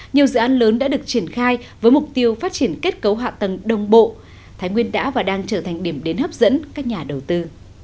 nhiều dự án lớn đã được triển khai với mục tiêu phát triển kết cấu hạ tầng đồng bộ thái nguyên đã và đang trở thành điểm đến hấp dẫn các nhà đầu tư